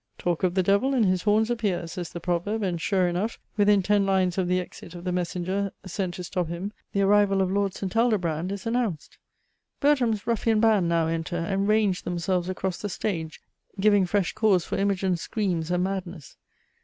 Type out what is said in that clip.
Talk of the Devil, and his horns appear, says the proverb and sure enough, within ten lines of the exit of the messenger, sent to stop him, the arrival of Lord St. Aldobrand is announced. Bertram's ruffian band now enter, and range themselves across the stage, giving fresh cause for Imogine's screams and madness.